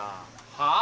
はあ？